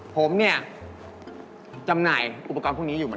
ผมเนี่ยจำหน่ายอุปกรณ์พวกนี้อยู่เหมือนกัน